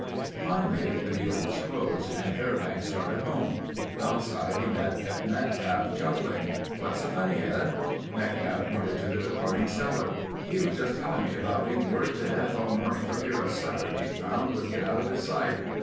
Finally the deal was closed and Fairbanks started home. Outside, he met Ed Metcalf, chuckling. "What's so funny, Ed?" Metcalf pointed to the departing seller. "He was just telling me about being worried to death all morning for fear a sucker he'd found would get out of his sight.